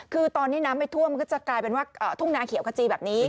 คือตอนนี้น้ำไม่ท่วมมันก็จะกลายเป็นว่าทุ่งนาเขียวขจีแบบนี้